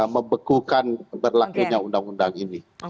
mebekukan berlaku yang undang undang ini